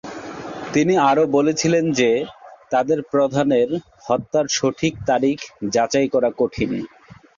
তিনি আরও বলেছিলেন যে তাদের প্রধানের হত্যার সঠিক তারিখ যাচাই করা কঠিন।